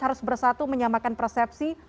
harus bersatu menyamakan persepsi